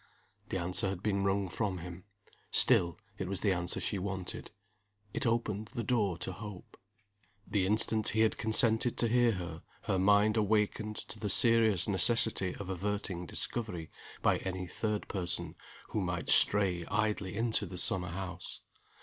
The answer had been wrung from him. Still, it was the answer she wanted it opened the door to hope. The instant he had consented to hear her her mind awakened to the serious necessity of averting discovery by any third person who might stray idly into the summer house.